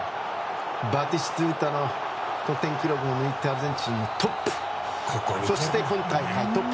バティストゥータの記録を抜いてアルゼンチンのトップ。